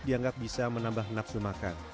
dianggap bisa menambah nafsu makan